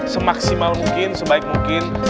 semaksimal mungkin sebaik mungkin